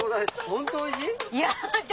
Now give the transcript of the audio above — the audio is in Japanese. ホントおいしい？